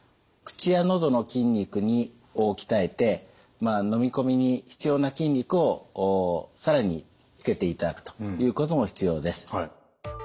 口や喉の筋肉を鍛えてのみ込みに必要な筋肉を更につけていただくということも必要です。